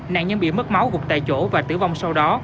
nạn nhân bị mất máu gục tại chỗ và tử vong sau đó